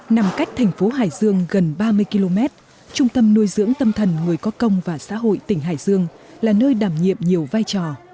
nằm cách thành phố hải dương gần ba mươi km trung tâm nuôi dưỡng tâm thần người có công và xã hội tỉnh hải dương là nơi đảm nhiệm nhiều vai trò